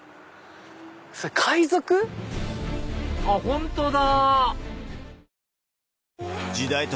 海賊⁉あっ本当だ！